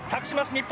日本。